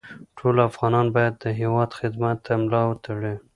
ټول افغانان باید د هېواد خدمت ته ملا وتړي